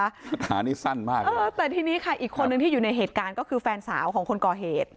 ปัญหานี้สั้นมากเออแต่ทีนี้ค่ะอีกคนนึงที่อยู่ในเหตุการณ์ก็คือแฟนสาวของคนก่อเหตุ